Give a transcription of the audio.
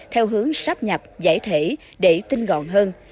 theo hướng sắp nhập giải thể để tinh gọn hơn